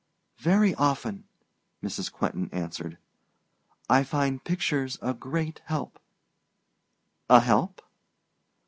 "Very often," Mrs. Quentin answered. "I find pictures a great help." "A help?"